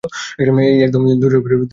এই, একদম আমাদের দোষারোপ করবেন না।